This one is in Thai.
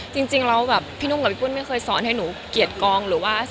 จริงแล้วพี่นุ่มกับพี่ปุ้นไม่เคยสอนให้หนูเกียรติกอง